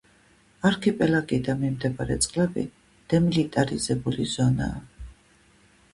არქიპელაგი და მიმდებარე წყლები დემილიტარიზებული ზონაა.